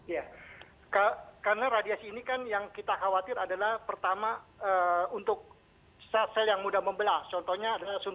iya karena radiasi ini kan yang kita khawatir adalah pertama untuk zat sel yang mudah membelas contohnya adalah sunsun tulang